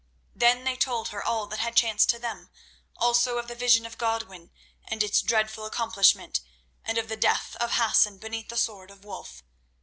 Then they told her all that had chanced to them; also of the vision of Godwin and its dreadful accomplishment, and of the death of Hassan beneath the sword of Wulf.